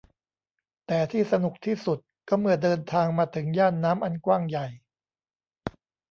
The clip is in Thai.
แต่ที่สนุกที่สุดก็เมื่อเดินทางมาถึงย่านน้ำอันกว้างใหญ่